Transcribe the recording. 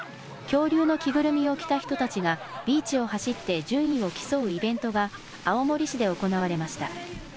恐竜の着ぐるみを着た人たちが、ビーチを走って順位を競うイベントが、青森市で行われました。